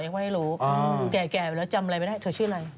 ยังไว้ให้รู้แก่แล้วจำอะไรไปนะเธอชื่ออะไร